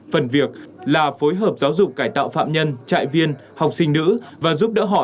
phần việc là phối hợp giáo dục cải tạo phạm nhân trại viên học sinh nữ và giúp đỡ họ